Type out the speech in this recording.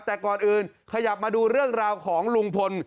แต่ก่อนอื่นขยับมาดูเรื่องราวของลุงพล